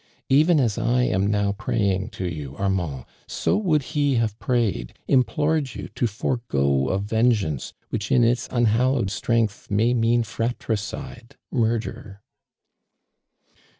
Even as 1 am now praying to you, Armand. so would he have prayed. im])lored you to forego ^• 46 ARMAND DURAXD. ^ w ■ vengeanoe which in ita unhallowed strength may mean fratricide, murdor."